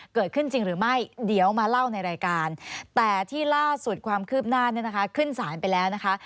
เกิดขึ้นจริงหรือไม่เดี๋ยวมาเล่าในรายการแต่ที่ล่าสุดความคืบหน้าเนี่ยนะคะขึ้นสารไปแล้วนะคะ